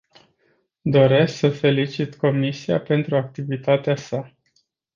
Doresc să felicit comisia pentru activitatea sa.